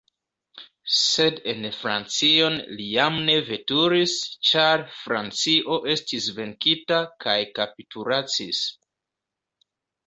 Sed en Francion li jam ne veturis, ĉar Francio estis venkita kaj kapitulacis.